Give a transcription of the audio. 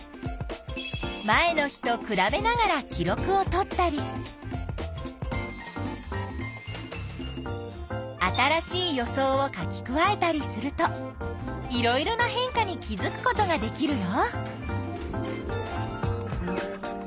前の日とくらべながら記録をとったり新しい予想を書き加えたりするといろいろな変化に気づくことができるよ。